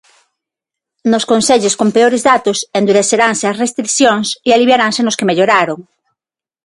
Nos concellos con peores datos endureceranse as restricións e aliviaranse nos que melloraron.